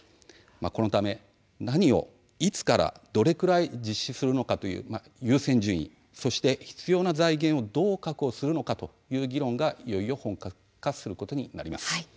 このため、何を、いつからどれぐらい実施するのかという優先順位そして必要な財源をどう確保するのかという議論がいよいよ本格化することになります。